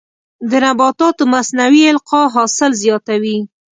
د نباتاتو مصنوعي القاح حاصل زیاتوي.